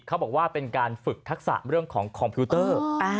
เขาบอกว่าเป็นการฝึกทักษะเรื่องของคอมพิวเตอร์